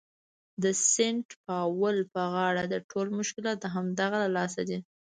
د سینټ پاول په غاړه ده، ټول مشکلات د همدغه له لاسه دي.